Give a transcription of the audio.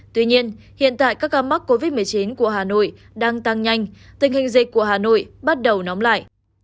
tuy nhiên hiện tại các ca mắc covid một mươi chín của hà nội đang tăng nhanh tình hình dịch của hà nội bắt đầu nóng lại